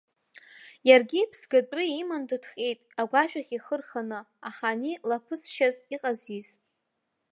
Иаргьы иԥсгатәы иман дыҭҟьеит, агәашәахь ихы рханы, аха ани лаԥысшьаз иҟазиз.